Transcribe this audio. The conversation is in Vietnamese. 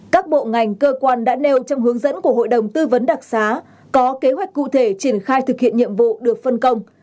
các bộ ngành cơ quan đã nêu trong hướng dẫn của hội đồng tư vấn đặc xá có kế hoạch cụ thể triển khai thực hiện nhiệm vụ được phân công